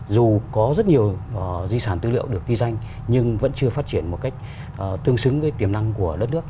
dù có rất nhiều di sản tư liệu được ghi danh nhưng vẫn chưa phát triển một cách tương xứng với tiềm năng của đất nước